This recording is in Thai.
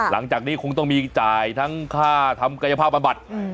หลังจากนี้คงต้องมีจ่ายทั้งค่าทำกายภาพบำบัด